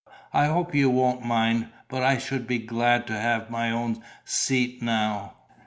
I hope you won't mind, but I should be glad to have my own seat now."